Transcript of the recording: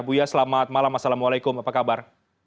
buya selamat malam assalamualaikum apa kabar